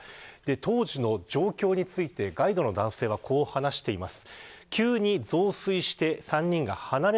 当時の状況についてガイドの男性はこう話しています。